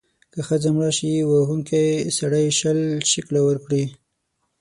که ښځه مړه شي، وهونکی سړی شل شِکِله ورکړي.